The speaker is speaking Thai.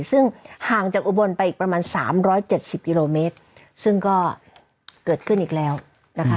ซึ่งห่างจากอุบลไปอีกประมาณสามร้อยเจ็ดสิบกิโลเมตรซึ่งก็เกิดขึ้นอีกแล้วนะคะ